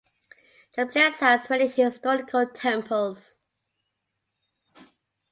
The place has many historical temples.